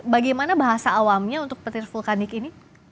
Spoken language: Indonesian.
bagaimana bahasa awamnya untuk petir vulkanik ini